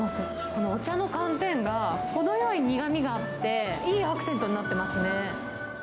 このお茶の寒天が、程よい苦みがあって、いいアクセントになってますね。